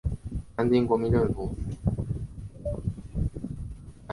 南京国民政府的消极态度引发中国及南洋华人华侨舆论强烈不满。